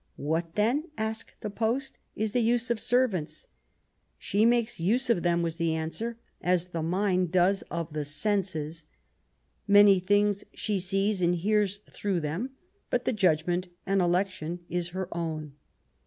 " What then," asked the post, " is the use of servants ?"She makes use of them/' was the answer, "as the mind does of the senses. Many things she sees and hears through them ; but the judgment and election is her own."